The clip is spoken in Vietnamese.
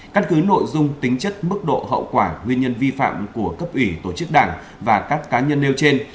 căn cứ nội dung tính chất mức độ hậu quả nguyên nhân vi phạm của cấp ủy tổ chức đảng và các cá nhân nêu trên